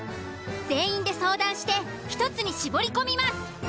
全員で相談して１つに絞り込みます。